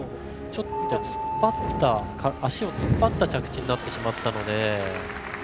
ちょっと足を突っ張った着地になってしまったので。